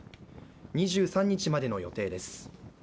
２３日までの予定です。